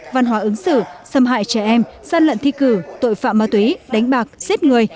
văn hóa ứng xử xâm hại trẻ em gian lận thi cử tội phạm ma túy đánh bạc giết người